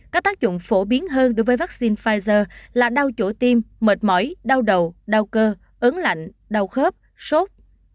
có tác dụng phổ biến hơn đối với vaccine pfizer là đau chỗ tim mệt mỏi đau đầu đau cơ ứng lạnh đau khớp sốt